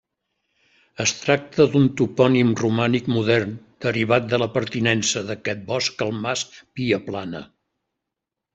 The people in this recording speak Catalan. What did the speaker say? Es tracta d'un topònim romànic modern, derivat de la pertinença d'aquest bosc al mas Viaplana.